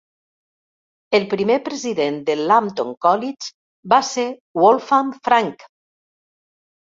El primer president del Lambton College va ser Wolfgang Franke.